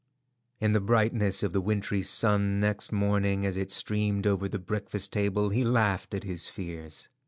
In the brightness of the wintry sun next morning as it streamed over the breakfast table he laughed at his fears.